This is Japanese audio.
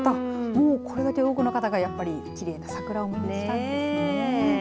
もうこれだけの多くの方がやっぱりきれいな桜を見に来たんですね。